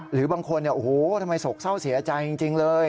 หรือบางคนโอ้โหทำไมโศกเศร้าเสียใจจริงเลย